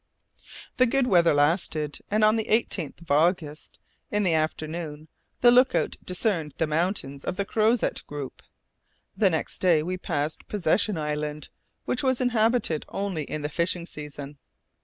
The good weather lasted, and on the 18th of August, in the afternoon, the look out discerned the mountains of the Crozet group. The next day we passed Possession Island, which is inhabited only in the fishing season.